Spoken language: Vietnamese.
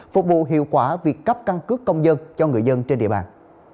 phục vụ hiệu quả việc cấp căn cước công dân cho người dân trên địa bàn